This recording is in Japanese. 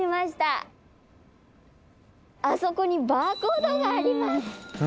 あそこにバーコードがあります。